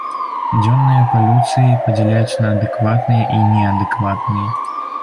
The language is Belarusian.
Дзённыя палюцыі падзяляюцца на адэкватныя і неадэкватныя.